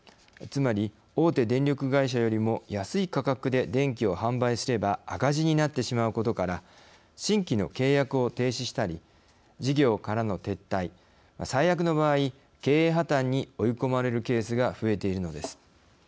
つまり、大手電力会社よりも安い価格で電気を販売すれば赤字になってしまうことから新規の契約を停止したり事業からの撤退、最悪の場合経営破綻に追い込まれるケースが増えているのです。